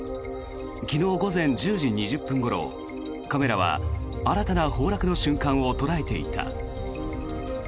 昨日午前１０時２０分ごろカメラは新たな崩落の瞬間を捉えていた。